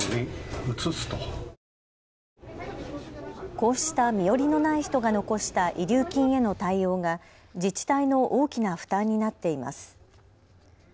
こうした身寄りのない人が残した遺留金への対応が自治体の大きな負担になっています。